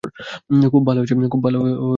খুব ভালো হয়েছে, ধন্যবাদ।